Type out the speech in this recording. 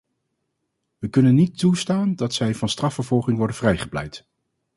We kunnen niet toestaan dat zij van strafvervolging worden vrijgepleit.